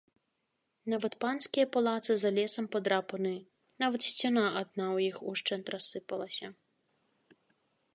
Нават панскія палацы за лесам падрапаны, нават сцяна адна ў іх ушчэнт рассыпалася.